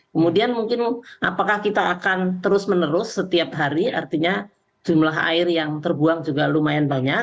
kemudian mungkin apakah kita akan terus menerus setiap hari artinya jumlah air yang terbuang juga lumayan banyak